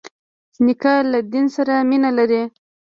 نیکه له دین سره مینه لري.